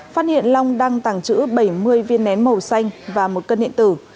phát hiện long đang tàng trữ bảy mươi viên nén màu xanh và một cân điện tử